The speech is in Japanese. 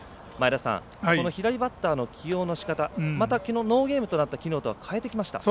この左バッターの起用のしかたノーゲームとなったきのうとは変えてきました。